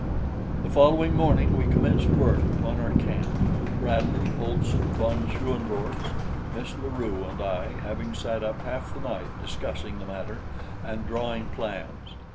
The following morning we commenced work upon our camp, Bradley, Olson, von Schoenvorts, Miss La Rue, and I having sat up half the night discussing the matter and drawing plans.